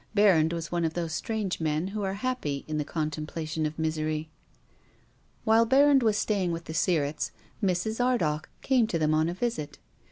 Berrand was one of those strange men who are happy in the contemplation of misery. While Berrand was staying with the Sirretts, Mrs. Ardagh came to them on a visit.